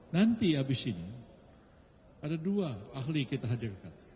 nanti habis ini ada dua ahli kita hadirkan